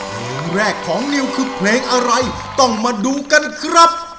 เพลงแรกของนิวคือเพลงอะไรต้องมาดูกันครับ